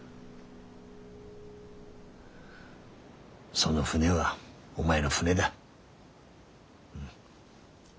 その船はお前の船だ。